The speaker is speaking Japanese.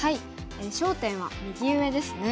焦点は右上ですね。